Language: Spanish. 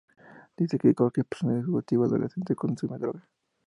Dice que cualquier persona, ejecutivo, adolescente... consume droga.